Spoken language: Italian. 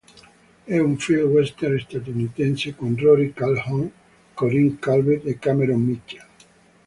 È un film western statunitense con Rory Calhoun, Corinne Calvet e Cameron Mitchell.